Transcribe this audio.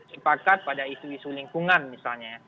sepakat pada isu isu lingkungan misalnya ya